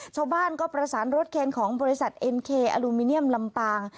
ชาวบ้านก็ประสานรถเคนของบริษัทเอ็นเคอลูมิเนียมลำปาง